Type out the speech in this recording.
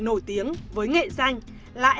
nổi tiếng với nghệ danh là